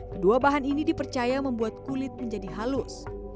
kedua bahan ini dipercaya membuat kulit menjadi halus